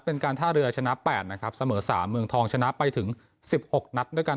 เป็นการท่าเรือชนะ๘นะครับเสมอ๓เมืองทองชนะไปถึง๑๖นัดด้วยกัน